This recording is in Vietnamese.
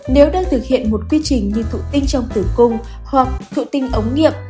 nếu đã thực hiện một quy trình như thụ tinh trong tử cung hoặc thụ tinh ống nghiệp